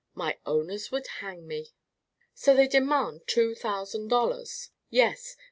My owners would hang me." "So they demand two thousand dollars!" "Yes!